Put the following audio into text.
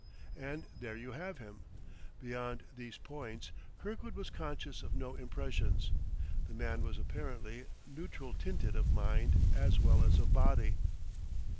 And there you have him; beyond these points, Kirkwood was conscious of no impressions; the man was apparently neutral tinted of mind as well as of body.